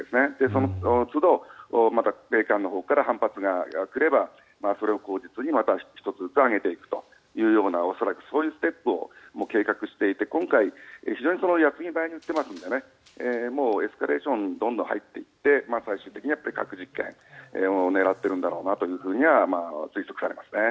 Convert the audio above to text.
そのつど、また米韓のほうから反発が来ればそれを口実にまた１つずつ上げていくというような恐らくそういうステップを計画していて今回、非常に矢継ぎ早に撃っていますのでもうエスカレーションにどんどん入っていって最終的には核実験を狙ってるんだろうなと推測されますね。